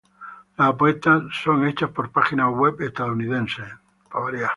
Las apuestas son hechas por páginas web estadounidenses.